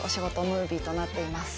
ムービーとなっています。